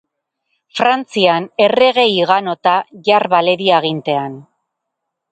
Frantzian errege higanota jar baledi agintean.